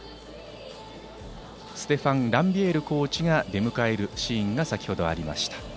ステファン・ランビエールコーチが出迎えるシーンが先ほど、ありました。